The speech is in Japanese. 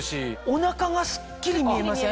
おなかがスッキリ見えません？